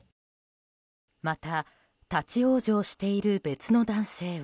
また、立ち往生している別の男性は。